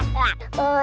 tawon yang keluar